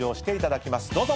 どうぞ。